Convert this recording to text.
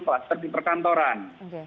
kluster di perkantoran